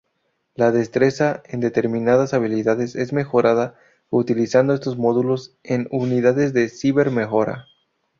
La destreza en determinadas habilidades es mejorada utilizando estos módulos en "unidades de cyber-mejora".